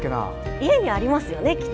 家にもありますよね。